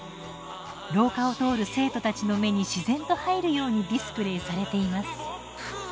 廊下を通る生徒たちの目に自然と入るようにディスプレーされています。